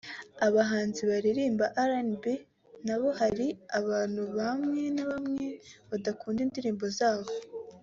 Abahanzi baririmba RnB nabo hari abantu bamwe na bamwe badakunda indirimbo zabo